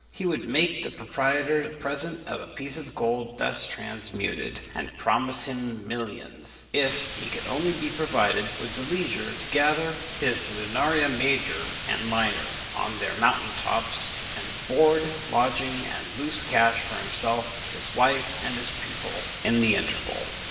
He would make the proprietor the present of a piece of gold thus transmuted, and promise him millions, if he could only be provided with leisure to gather his lunaria major and minor on their mountain tops, and board, lodging, and loose cash for himself, his wife, and his pupil, in the interval.